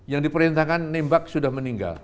yang diperintahkan nembak sudah meninggal